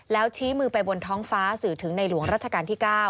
แล้วชี้มือไปบนท้องฟ้าสื่อถึงในหลวงรัชกาลที่๙